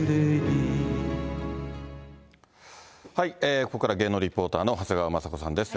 ここからは芸能リポーターの長谷川まさ子さんです。